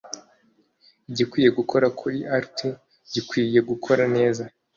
igikwiye gukora kuri alt gikwiye gukora neza.